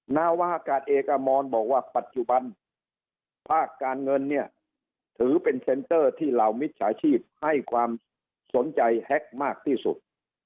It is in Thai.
นาวาอากาศเอกอมรบอกว่าปัจจุบันภาคการเงินเนี่ยถือเป็นเซ็นเตอร์ที่เหล่ามิจฉาชีพให้ความสนใจแฮ็กมากที่สุด